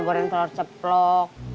goreng telur ceplok